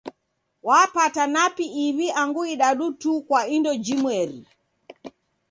Wapata napi iw'i angu idadu tu kwa indo jimweri.